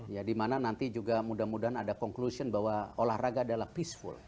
ya dimana nanti juga mudah mudahan ada conclusion bahwa olahraga adalah peaceful